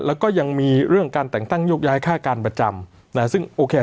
แล้วก็ยังมีเรื่องการแต่งตั้งโยกย้ายค่าการประจำนะฮะซึ่งโอเค